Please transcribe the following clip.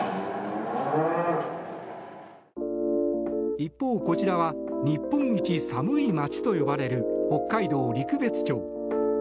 一方、こちらは日本一寒い町といわれる北海道陸別町。